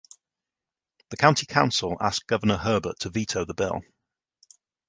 The County Council asked Governor Herbert to veto the bill.